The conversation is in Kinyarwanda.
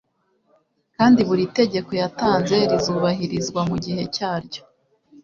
kandi buri tegeko yatanze rizubahirizwa mu gihe cyaryo